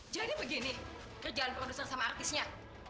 jadi begini kerjaan produser sama artisnya